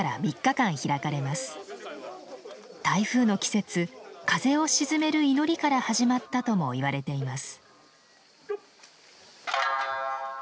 台風の季節風を鎮める祈りから始まったともいわれています。